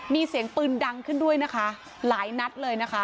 มีเสียงปืนดังขึ้นด้วยนะคะหลายนัดเลยนะคะ